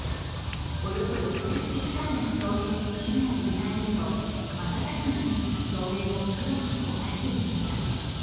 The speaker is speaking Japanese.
およそ６０ｈａの草原に火が入れられると、瞬く間に草原を黒く焦がしていました。